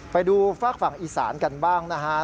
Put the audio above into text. ไปดูฝากฝั่งอีสานกันบ้างนะฮะ